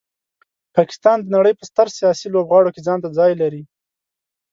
پاکستان د نړۍ په ستر سیاسي لوبغاړو کې ځانته ځای لري.